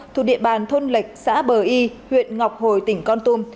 thuộc địa bàn thôn lệch xã bờ y huyện ngọc hồi tỉnh con tum